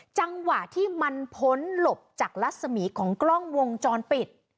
จังหวะที่มันพ้นหลบจากรัศมีของกล้องวงจรปิด